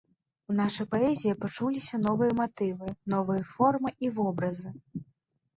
У нашай паэзіі пачуліся новыя матывы, новыя формы і вобразы.